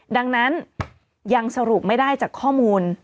ดังนั้นยังสรุปไม่ได้จากข้อมูล